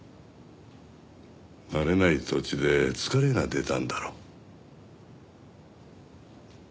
慣れない土地で疲れが出たんだろう。